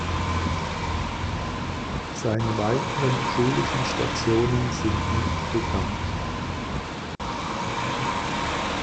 Seine weiteren schulischen Stationen sind nicht bekannt.